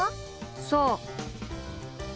「そう！」。